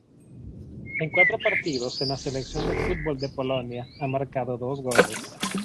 En cuatro partidos en la Selección de fútbol de Polonia ha marcado dos goles.